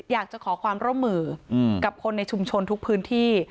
อยากจะขอความร่วมมือกับคนในชุมชนทุกพื้นที่